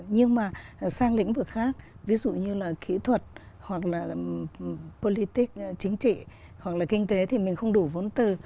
nhưng mà sang lĩnh vực khác ví dụ như là kỹ thuật hoặc là polytic chính trị hoặc là kinh tế thì mình không đủ vốn từ